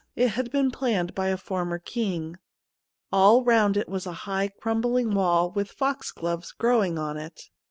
It had been planned by a former king. All round it was a high crumbling wall 46 THE MOON SLAVE with foxgloves growing on it.